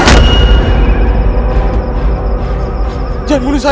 jangan bunuh saya